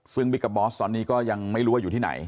ซึ่งบิ๊กกับบอสตอนนี้ก็ยังไม่รู้ว่าอยู่ที่ไหน